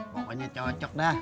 pokoknya cocok dah